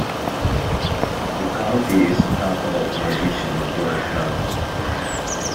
The county is an alcohol prohibition or dry county.